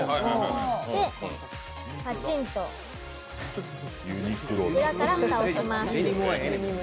で、パチンと裏から蓋をします。